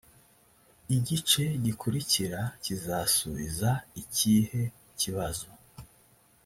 igice gikurikira kizasubiza ikihe kibazo.